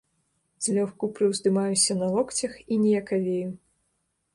Злёгку прыўздымаюся на локцях і ніякавею.